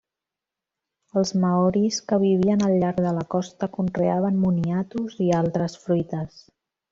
Els maoris que vivien al llarg de la costa conreaven moniatos i altres fruites.